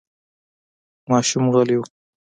ماشوم غلی و.